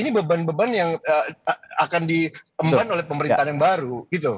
ini beban beban yang akan diemban oleh pemerintahan yang baru